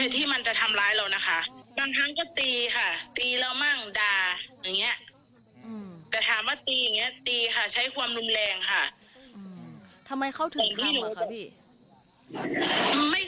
ทำไมเขาถึงพร้อมเหรอคะพี่